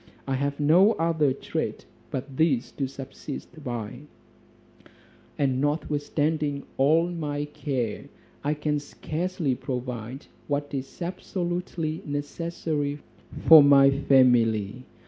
I have no other trade but this to subsist by: and notwithstanding all my care, I can scarcely provide what is absolutely necessary for my family.